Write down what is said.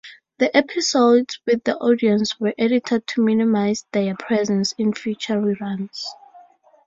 The episodes with the audience were edited to minimize their presence in future reruns.